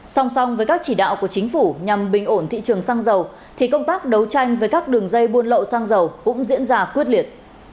song song với các chỉ đạo của chính phủ nhằm bình ổn thị trường xăng dầu thì công tác đấu tranh với các đường dây buôn lậu xăng dầu cũng diễn ra quyết liệt